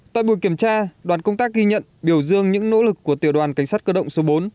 tại buổi kiểm tra đoàn công tác ghi nhận biểu dương những nỗ lực của tiểu đoàn cảnh sát cơ động số bốn